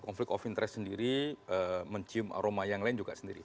konflik of interest sendiri mencium aroma yang lain juga sendiri